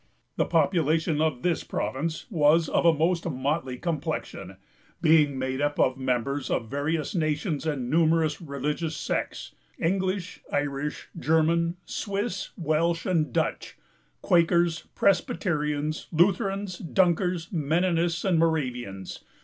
The population of this province was of a most motley complexion, being made up of members of various nations, and numerous religious sects: English, Irish, German, Swiss, Welsh, and Dutch; Quakers, Presbyterians, Lutherans, Dunkers, Mennonists, and Moravians.